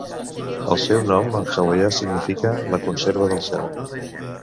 El seu nom en hawaià significa 'La conserva del cel'.